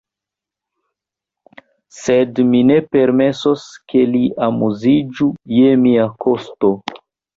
Sed mi ne permesos, ke li amuziĝu je mia kosto!